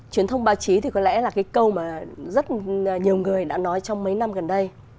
truyền thông báo chí thì có lẽ là cái câu mà rất nhiều người đã nói trong mấy năm gần đây